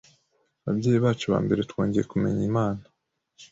ababyeyi bacu ba mbere twongeye kumenya Imana